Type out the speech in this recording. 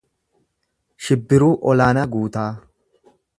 Shibbiruu Olaanaa Guutaa